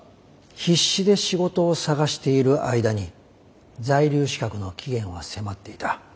必死で仕事を探している間に在留資格の期限は迫っていた。